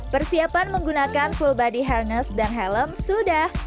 persiapan menggunakan full body harness dan helm sudah